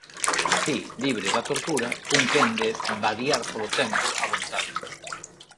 Así, libre da tortura, fun quen de vadiar polo tempo, a vontade.